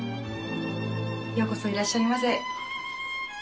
ようこそいらっしゃいませ。